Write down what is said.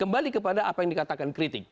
kembali kepada apa yang dikatakan kritik